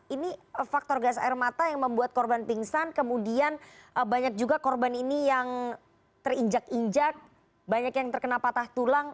ini faktor gas air mata yang membuat korban pingsan kemudian banyak juga korban ini yang terinjak injak banyak yang terkena patah tulang